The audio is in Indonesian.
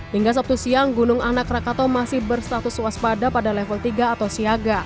hingga sabtu siang gunung anak rakato masih berstatus waspada pada level tiga atau siaga